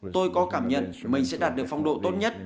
tôi có cảm nhận mình sẽ đạt được phong độ tốt nhất